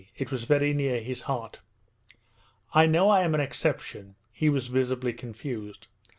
It was very near his heart. 'I know I am an exception...' He was visibly confused.